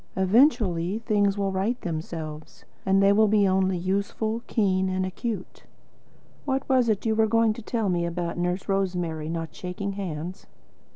Eventually things will right themselves, and they will only be usefully keen and acute. What was it you were going to tell me about Nurse Rosemary not shaking hands?"